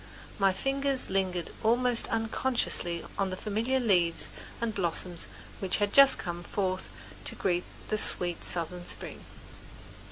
My fingers lingered almost unconsciously on the familiar leaves and blossoms which had just come forth to greet the sweet southern spring.